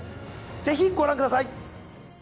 ぜひご覧ください。